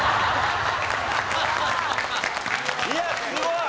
いやすごい！